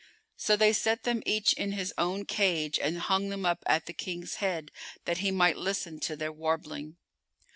So they set them each in his own cage and hung them up at the King's head that he might listen to their warbling.